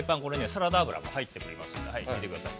サラダ油が入っておりますんではい、入れてください。